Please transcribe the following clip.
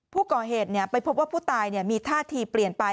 ผู้ก่อเหตุไปพบว่าผู้ตายมีท่าทีเปลี่ยนไป